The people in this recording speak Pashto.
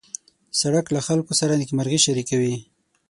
سړک له خلکو سره نېکمرغي شریکوي.